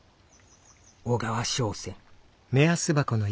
小川笙船」。